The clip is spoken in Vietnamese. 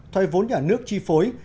thay vốn nhà nước chi phối